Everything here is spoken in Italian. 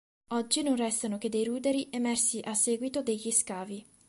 Oggi non restano che dei ruderi emersi a seguito degli scavi.